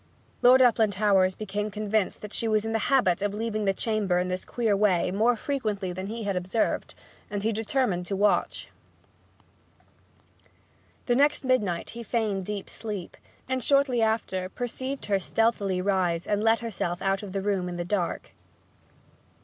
Lord Uplandtowers became convinced that she was in the habit of leaving the chamber in this queer way more frequently than he had observed, and he determined to watch. The next midnight he feigned deep sleep, and shortly after perceived her stealthily rise and let herself out of the room in the dark.